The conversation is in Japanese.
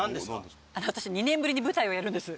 あの私２年ぶりに舞台をやるんです。